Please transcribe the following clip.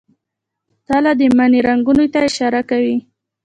تله د مني رنګونو ته اشاره کوي.